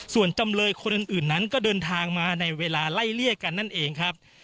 ส่วนจำเลยคนอื่นนั้นก็เดินทางมาในเวลาไล่เลี่ยกันนั่นเองครับ